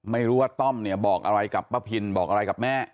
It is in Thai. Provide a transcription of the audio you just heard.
ไม่รู้ว่าต้อมเนี่ยบอกอะไรกับป้าพินบอกอะไรกับแม่